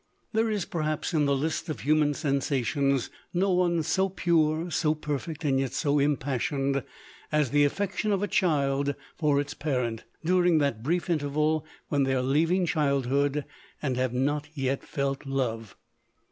There is perhaps in the list of human sensa tions, no one so pure, so perfect, and yet so im passioned, as the affection of a child for its parent, during that brief interval when they are leaving childhood, and have not yet felt love.